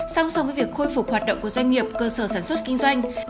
song song với việc khôi phục hoạt động của doanh nghiệp cơ sở sản xuất kinh doanh